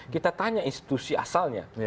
kita tanya institusi asalnya